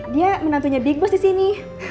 dia menantunya big bus di sini